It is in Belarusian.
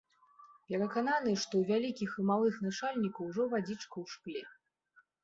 Перакананы, што ў вялікіх і малых начальнікаў ужо вадзічка ў шкле.